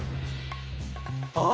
あ‼